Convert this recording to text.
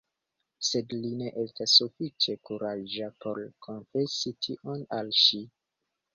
Sed li ne estas sufiĉe kuraĝa por konfesi tion al ŝi.